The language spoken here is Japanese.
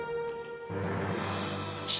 父